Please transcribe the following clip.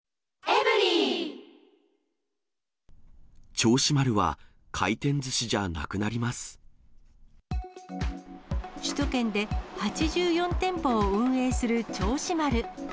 銚子丸は回転ずしじゃなくな首都圏で８４店舗を運営する銚子丸。